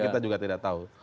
kita juga tidak tahu